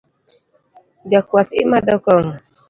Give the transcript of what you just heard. Jakuath imadho kong'o?